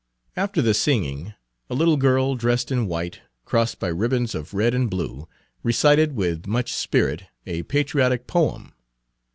After the singing, a little girl, dressed in white, crossed by ribbons of red and blue, recited with much spirit a patriotic poem.